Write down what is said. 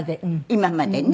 今までね。